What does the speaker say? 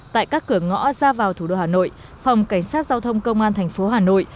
tại các cửa ngõ ra vào thủ đô hà nội phòng cảnh sát giao thông công an thành phố hà nội